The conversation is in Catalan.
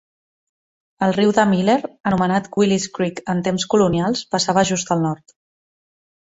El riu de Miller, anomenat Willis Creek en temps colonials, passava just al nord.